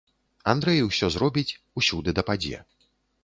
Андрэй усё зробіць, усюды дападзе.